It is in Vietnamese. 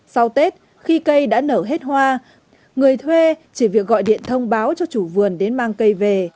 sau tết khi cây đã nở hết hoa người thuê chỉ việc gọi điện thông báo cho chủ vườn đến mang cây về